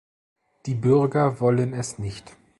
Die Bürger wollen es nicht.